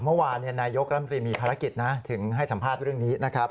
เมื่อวานนายกรัฐมนตรีมีภารกิจนะถึงให้สัมภาษณ์เรื่องนี้นะครับ